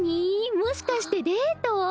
もしかしてデート？